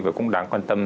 và cũng đáng quan tâm